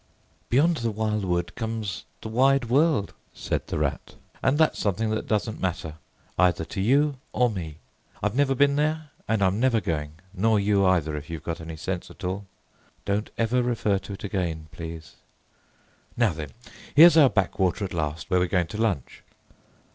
"Beyond the Wild Wood comes the Wide World," said the Rat. "And that's something that doesn't matter, either to you or me. I've never been there, and I'm never going, nor you either, if you've got any sense at all. Don't ever refer to it again, please. Now then! Here's our backwater at last, where we're going to lunch."